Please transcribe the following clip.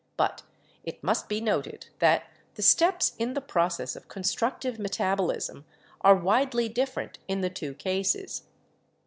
But it must be noted that the steps in the process of constructive met abolism are widely different in the two cases.